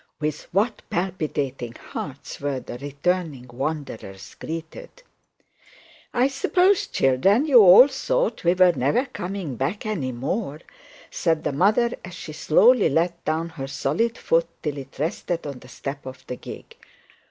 With what palpitating hearts were the returning wanderers greeted! 'I suppose, children, 'you all thought we were never coming back any more?' said the mother, as she slowly let down her solid foot till it rested on the step of the gig.